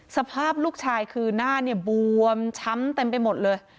สภาพลูกชายคือหน้าเนี่ยบวมช้ำเต็มไปหมดเลย